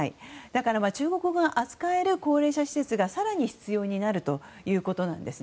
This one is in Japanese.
だから中国語が扱える高齢者施設が更に必要になるということなんです。